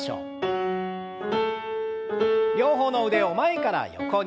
両方の腕を前から横に。